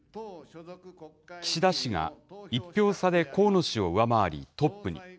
岸田氏が１票差で河野氏を上回り、トップに。